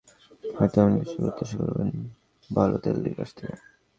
এবার লিভারপুলের সমর্থকেরাও হয়তো এমন কিছুই প্রত্যাশা করবেন বালোতেল্লির কাছ থেকে।